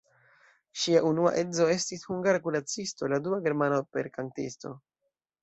Ŝia unua edzo estis hungara kuracisto, la dua germana operkantisto.